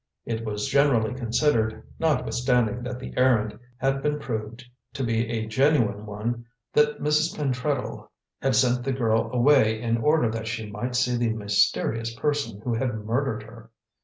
It was generally considered, notwithstanding that the errand had been proved to be a genuine one, that Mrs. Pentreddle had sent the girl away in order that she might see the mysterious person who had murdered her.